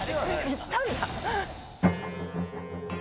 行ったんだ。